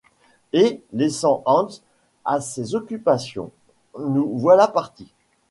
Et, laissant Hans à ses occupations, nous voilà partis.